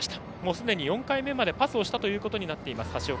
すでに４回目までパスをしたということになっています、橋岡